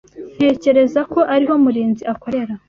Ntekereza ko ariho Murinzi akorera.